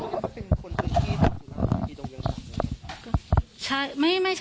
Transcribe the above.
โทรนั้นมันเป็นคนที่ตั้งแต่ปี๔๕๑ค่ะ